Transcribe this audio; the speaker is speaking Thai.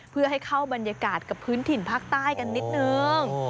เพื่อให้เข้าบรรยากาศกับพื้นถิ่นภาคใต้กันนิดนึง